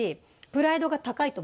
「プライド高いの？」